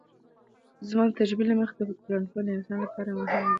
زما د تجربې له مخې ټولنپوهنه د انسان لپاره مهمه ده.